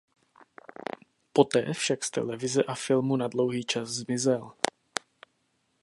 Poté však z televize a filmu na dlouhý čas zmizel.